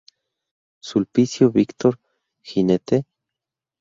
Sulpicio Víctor, ¿jinete?